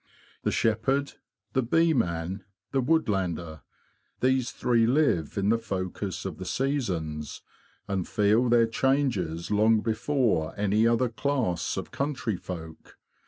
The shepherd, the bee man, the woodlander—these three live in the focus of the seasons, and feel their changes long before any other class of country folk.